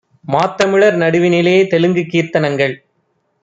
மாத்தமிழர் நடுவினிலே தெலுங்குகீர்த் தனங்கள்!